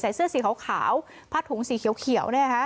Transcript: ใส่เสื้อสีขาวพัดถุงสีเขียว